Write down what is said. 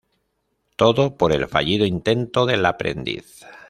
Todo por el fallido intento del aprendiz.